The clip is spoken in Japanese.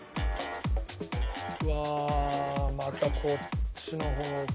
うわあまたこっちの方か。